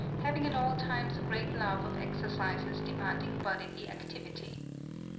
} (65) having at all times a great love of exercises demanding bodily activity.